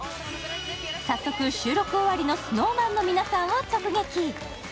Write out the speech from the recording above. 早速収録終わりのＳｎｏｗＭａｎの皆さんを直撃。